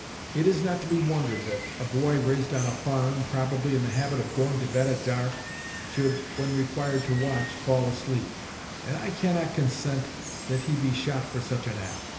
It is not to be wondered at that a boy raised on a farm, probably in the habit of going to bed at dark, should, when required to watch, fall asleep; and I cannot consent that he be shot for such an act."